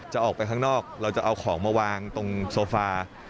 จะออกไปข้างนอกเราจะเอาของมาวางตรงโซฟา